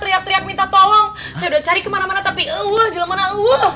teriak teriak minta tolong sudah cari kemana mana tapi surnam manal